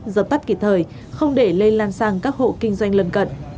dập tắt kịp thời không để lây lan sang các hộ kinh doanh lân cận